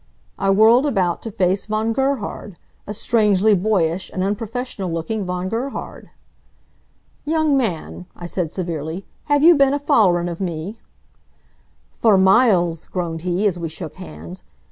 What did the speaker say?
I whirled about to face Von Gerhard; a strangely boyish and unprofessional looking Von Gerhard. "Young man," I said severely, "have you been a follerin' of me?" "For miles," groaned he, as we shook hands.